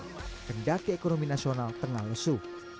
dan juga menggunakan ekonomi nasional tengah lesu